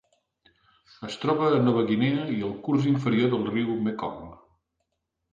Es troba a Nova Guinea i al curs inferior del riu Mekong.